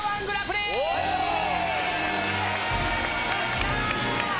・よっしゃ！